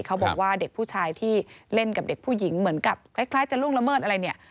เขาบอกว่าเด็กผู้ชายที่เล่นกับเด็กผู้หญิงเหมือนกับคล้ายจะล่วงละเมิดอะไรเนี่ย